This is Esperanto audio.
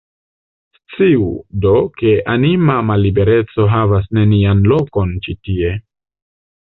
Sciu, do, ke anima mallibereco havas nenian lokon ĉi tie.